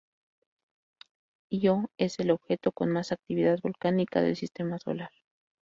Ío es el objeto con más actividad volcánica del Sistema Solar.